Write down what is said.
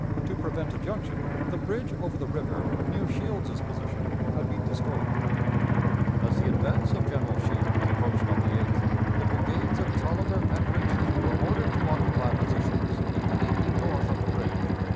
To prevent a junction, the bridge over the river, near Shields's position, had been destroyed. As the advance of General Shields approached on the 8th, the brigades of Taliaferro and Winder were ordered to occupy positions immediately north of the bridge.